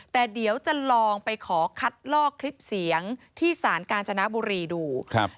แต่เดี๋ยวจะลองไปขอคัดลอกคลิปเสียงที่สารกาญจนบุรีดูครับ